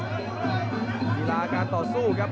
กีฬาการต่อสู้ครับ